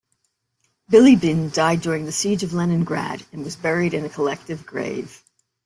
Bilibin died during the Siege of Leningrad and was buried in a collective grave.